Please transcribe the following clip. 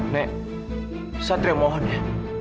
nek satria mohon ya